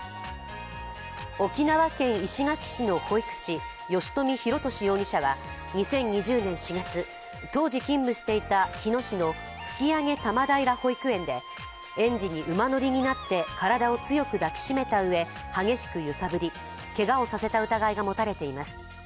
沖縄県石垣市の保育士、吉冨弘敏容疑者は２０２０年４月、当時勤務していた日野市の吹上多摩平保育園で園児に馬乗りになって体を強く抱きしめたうえ激しく揺さぶり、けがをさせた疑いが持たれています。